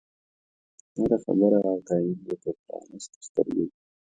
هره خبره او تایید یې په پرانیستو سترګو وي.